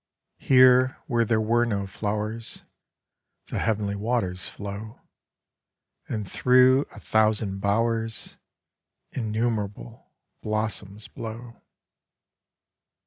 Here where there were no flowers The heav'nly waters flow, And thro' a thousand bowers Innum'rable blossoms blow.